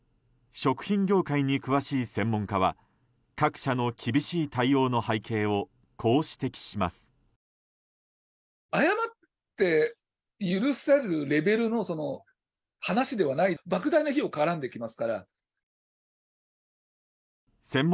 食品業界に詳しい専門家は各社の厳しい対応の背景をこう指摘します。